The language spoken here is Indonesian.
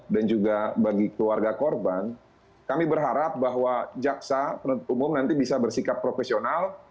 dan juga bagi keluarga korban kami berharap bahwa jaksa penutup umum nanti bisa bersikap profesional